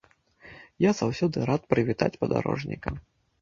Я заўсёды рад прывітаць падарожніка.